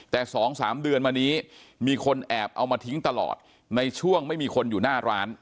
แต่๒๓เดือนมานี้มีคนแอบเอามาทิ้งตลอดในช่วงไม่มีคนอยู่หน้าร้าน